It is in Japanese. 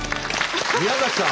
宮崎さん